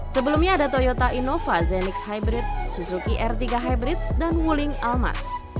sebelumnya ada toyota innova zenix hybrid suzuki r tiga hybrid dan wuling almas